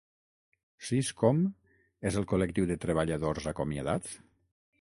Sis-Com és el col·lectiu de treballadors acomiadats?